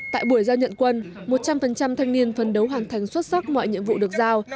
tại buổi giao nhận quân một trăm linh thanh niên phân đấu hoàn thành xuất sắc mọi nhiệm vụ được giao